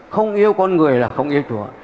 không yêu con người là không yêu chúa